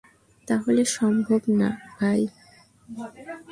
তাহলে সম্ভব না, ভাই।